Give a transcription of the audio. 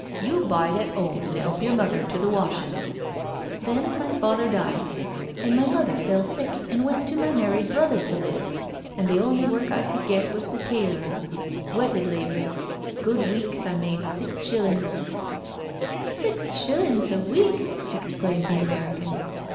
You bide at 'ome and 'elp yer mother do the washin*. Then my father died, and my mother 1X8 NO SURRENDER fell sick an* went to my married brother to live, and the only work I could get was the tailorin* — sweated labour — ^good weeks I made six shillin'sl" "Six shillings a week I" exclaimed the American.